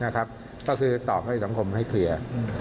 ก็คือตอบให้สังคมให้เคลียร์